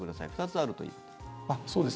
２つあるということで。